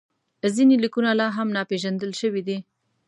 ځینې لیکونه لا هم ناپېژندل شوي دي.